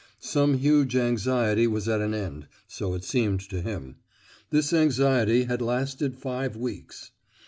Some huge anxiety was at an end, so it seemed to him. This anxiety had lasted five weeks.